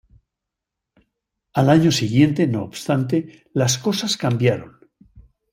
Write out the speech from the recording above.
Al año siguiente, no obstante, las cosas cambiaron.